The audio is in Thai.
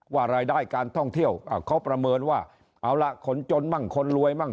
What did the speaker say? ว่ารายได้การท่องเที่ยวเขาประเมินว่าเอาล่ะคนจนมั่งคนรวยมั่ง